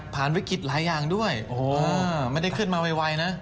วิกฤตหลายอย่างด้วยโอ้โหไม่ได้ขึ้นมาไวนะ